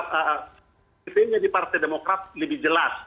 ketua yang di partai demokrat lebih jelas